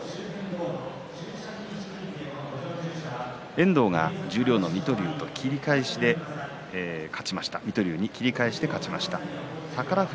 遠藤が十両の水戸龍に切り返しで勝ちました。